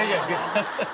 ハハハハ！